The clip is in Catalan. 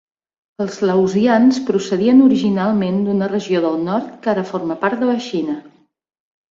Els laosians procedien originalment d'una regió del nord que ara forma part de la Xina.